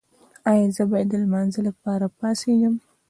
ایا زه باید د لمانځه لپاره پاڅیږم؟